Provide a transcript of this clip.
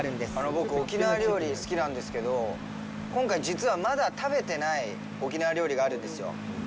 僕、沖縄料理好きなんですけど今回、実はまだ食べてない沖縄料理があるんですよ。